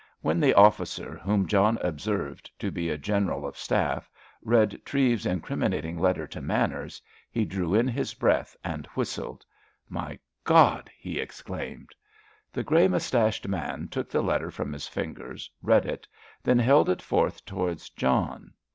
When the officer, whom John observed to be a general of staff, read Treves's incriminating letter to Manners, he drew in his breath and whistled. "My God!" he exclaimed. The grey moustached man took the letter from his fingers, read it, then held it forth towards John.